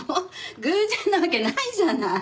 偶然なわけないじゃない。